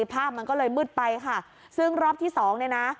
ภาพมันก็เลยมืดไปค่ะซึ่งรอบที่สองเนี่ยนะ